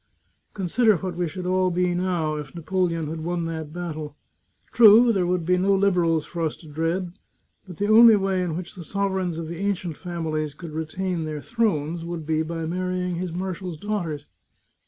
Consider what we should all be now if Na poleon had won that battle ! True, there would be no Liberals for us to dread, but the only way in which the sovereigns of the ancient families could retain their thrones would be by marrying his marshals' daughters.